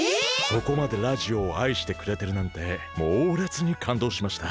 そこまでラジオをあいしてくれてるなんてもうれつにかんどうしました！